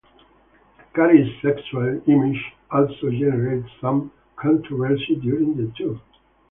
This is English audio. Carey's sexual image also generated some controversy during the tour.